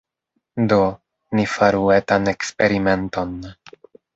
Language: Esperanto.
Do, ni faru etan eksperimenton.